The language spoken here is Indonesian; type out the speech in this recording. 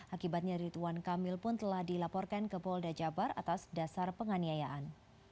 akibatnya ridwan kamil pun telah dilaporkan ke polda jabar atas dasar penganiayaan